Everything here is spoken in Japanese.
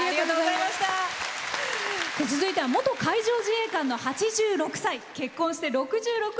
続いては元海上自衛官の８６歳。